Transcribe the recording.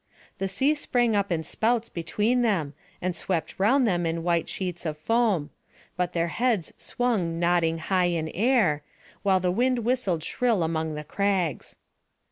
The sea sprang up in spouts between them, and swept round them in white sheets of foam; but their heads swung nodding high in air, while the wind whistled shrill among the crags.